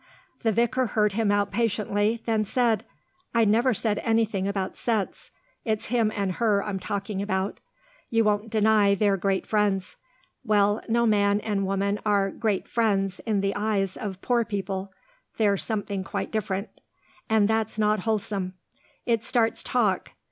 The vicar heard him out patiently, then said, "I never said anything about sets. It's him and her I'm talking about. You won't deny they're great friends. Well, no man and woman are 'great friends' in the eyes of poor people; they're something quite different. And that's not wholesome. It starts talk.